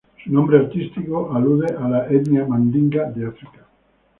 Su nombre artístico alude a la etnia mandinga de África.